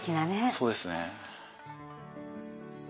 そうですね。